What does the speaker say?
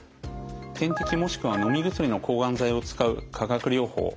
点滴もしくは飲み薬の抗がん剤を使う化学療法。